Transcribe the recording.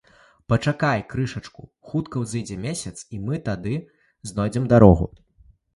- Пачакай крышачку, хутка ўзыдзе месяц, і мы тады знойдзем дарогу